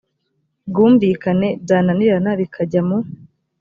bwumvikane byananirana bikajya mu